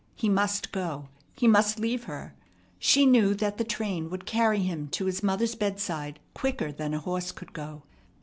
He must go. He must leave her. She knew that the train would carry him to his mother's bedside quicker than a horse could go.